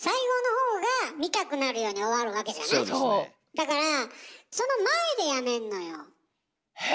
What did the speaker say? だからその前でやめんのよ。へ